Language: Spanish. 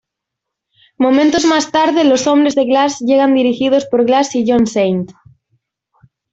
Momentos más tarde, los hombres de Glass llegan, dirigidos por Glass y John Saint.